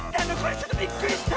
ちょっとびっくりした！